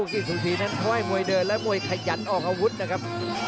กระโดยสิ้งเล็กนี่ออกกันขาสันเหมือนกันครับ